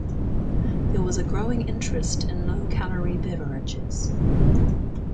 There was a growing interest in low-calorie beverages.